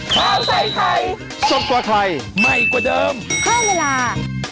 ข้าวใส่ไทยสดกว่าไทยใหม่กว่าเดิมเพิ่มเวลา